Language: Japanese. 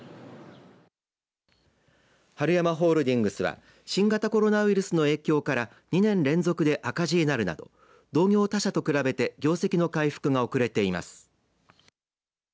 はるやまホールディングスは新型コロナウイルスの影響から２年連続で赤字になるなど同業他社と比べて業績の回復が遅れています。